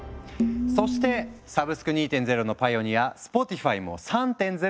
そしてサブスク２．０のパイオニアスポティファイも３．０を目指している。